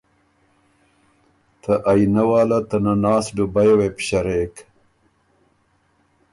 ته آئینۀ واله ته نناس ډوبیه وې بُو شرېک